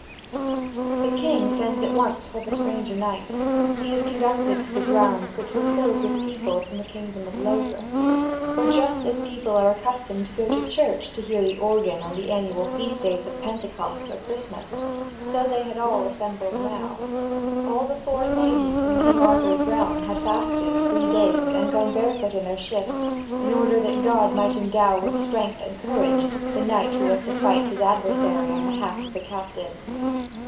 The king sends at once for the stranger knight, and he is conducted to the grounds which were filled with people from the kingdom of Logres. For just as people are accustomed to go to church to hear the organ on the annual feast days of Pentecost or Christmas, so they had all assembled now. All the foreign maidens from King Arthur's realm had fasted three days and gone barefoot in their shifts, in order that God might endow with strength and courage the knight who was to fight his adversary on behalf of the captives.